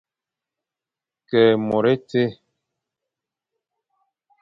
Ke môr étie.